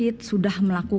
itu padat atau tidak